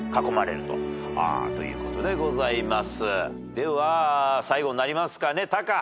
では最後になりますかねタカ。